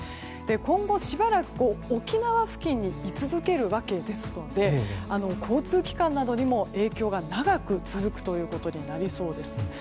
今後しばらく沖縄付近に居続けるわけですので交通機関などにも影響が長く続くということになりそうです。